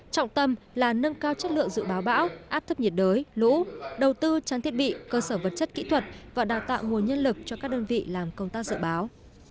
trọng tâm là nâng cao chất lượng dự báo bão áp thấp nhiệt đới lũ đầu tư trang thiết bị cơ sở vật chất kỹ thuật và đào tạo nguồn nhân lực cho các đơn vị làm công tác dự báo